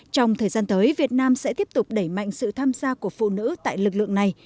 trong thời gian tới việt nam sẽ tiếp tục đẩy mạnh sự tham gia của phụ nữ tại lực lượng này